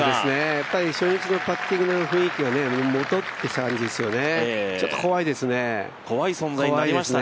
やっぱり初日のパッティングの雰囲気が戻ってきた感じですよね。